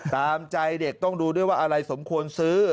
ตามใจเด็กต้องดูด้วยว่าอะไรสมควรซื้อ